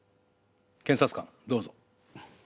検察官どうぞ。